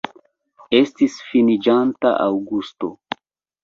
Estis finiĝanta aŭgusto.